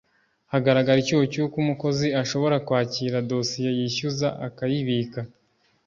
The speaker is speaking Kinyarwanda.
hagaragara icyuho cy’uko umukozi ashobora kwakira dosiye yishyuza akayibika